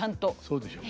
そうでしょう。